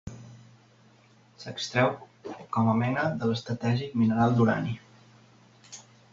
S'extreu com a mena de l'estratègic mineral d'urani.